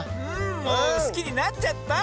もうすきになっちゃった！